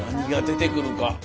何が出てくるか。